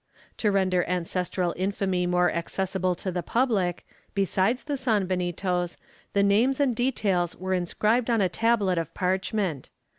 To render ancestral infamy more accessible to the pubUc, besides the sanbenitos, the names and details were inscribed on a tablet of parchment.